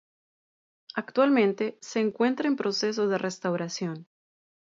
Actualmente se encuentra en proceso de restauración.